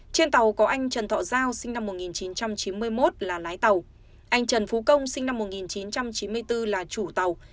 trên tàu có anh trần thọ giao sinh năm một nghìn chín trăm chín mươi một là lái tàu anh trần phú công sinh năm một nghìn chín trăm chín mươi bốn là chủ tàu